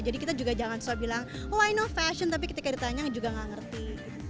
jadi kita juga jangan soal bilang oh i know fashion tapi ketika ditanya juga enggak ngerti